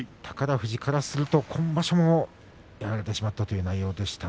富士からすると今場所もやられてしまったという内容でした。